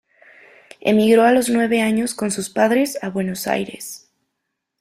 Emigró a los nueve años, con sus padres, a Buenos Aires.